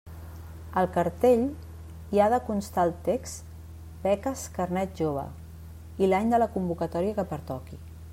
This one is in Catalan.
Al cartell hi ha de constar el text “beques Carnet Jove” i l'any de la convocatòria que pertoqui.